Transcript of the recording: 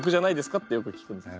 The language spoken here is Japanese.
ってよく聞くんですよ。